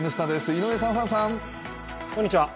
井上さん、ホランさん。